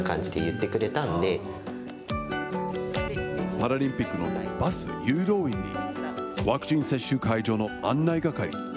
パラリンピックのバス誘導員に、ワクチン接種会場の案内係。